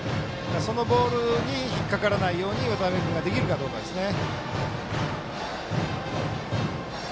そのボールに引っ掛からないように渡邉ができるかどうかですね。